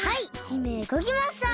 姫うごきました！